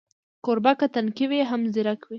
کوربه که تنکی وي، هم ځیرک وي.